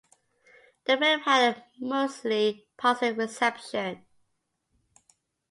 The film had a mostly positive reception.